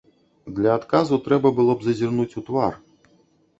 Для адказу трэба было б зазірнуць у твар.